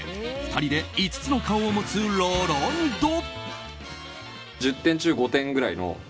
２人で５つの顔を持つラランド。